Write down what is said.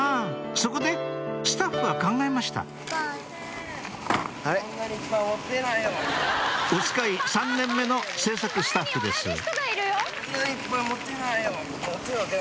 そこでスタッフは考えました『おつかい』３年目の制作スタッフですうん。